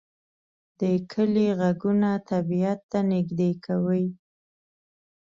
د کلی غږونه طبیعت ته نږدې کوي